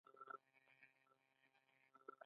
افغان ورزشکاران ولې لایق دي؟